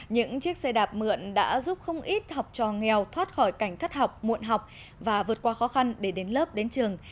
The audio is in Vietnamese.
những chiếc xe đạp mượn đã giúp không ít học trò nghèo thoát khỏi cảnh thất học muộn học và vượt qua khó khăn để đến lớp đến trường